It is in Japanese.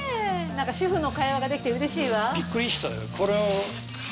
主婦の会話ができてうれしいわ。